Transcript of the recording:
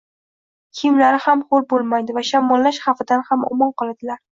kiyimlari ham ho‘l bo‘lmaydi va shamollash xavfidan ham omon qoladilar.